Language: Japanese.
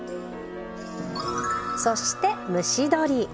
そして蒸し鶏。